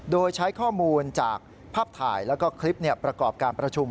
โดยใช้ข้อมูลจากภาพถ่ายแล้วก็คลิปประกอบการประชุม